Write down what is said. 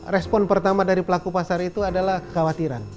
respon pertama dari pelaku pasar itu adalah kekhawatiran